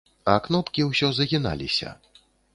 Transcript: А кнопкі ўсё загіналіся.